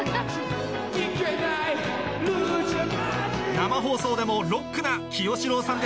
生放送でもロックな清志郎さんでした